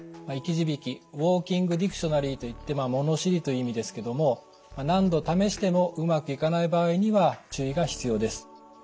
「生き字引」「ウォーキングディクショナリー」といって物知りという意味ですけども何度試してもうまくいかない場合には注意が必要です。